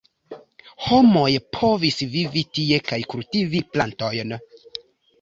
Homoj povis vivi tie kaj kultivi plantojn.